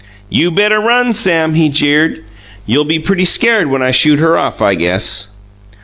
"You better run, Sam," he jeered. "You'll be pretty scared when I shoot her off, I guess."